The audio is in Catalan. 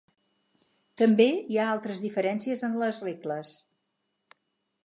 També hi ha altres diferències en les regles.